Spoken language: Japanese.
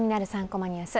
３コマニュース」